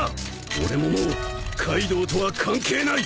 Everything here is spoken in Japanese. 俺ももうカイドウとは関係ない！